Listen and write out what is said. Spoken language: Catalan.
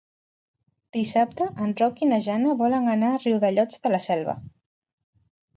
Dissabte en Roc i na Jana volen anar a Riudellots de la Selva.